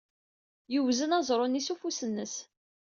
Yewzen aẓru-nni s ufus-nnes.